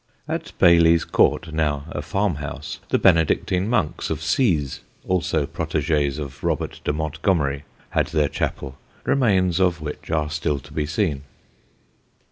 At Baylies Court, now a farmhouse, the Benedictine monks of Seez, also protégés of Robert de Montgomerie, had their chapel, remains of which are still to be seen.